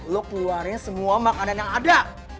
lu keluarnya semua makanan yang ada